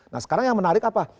nah sekarang yang menarik apa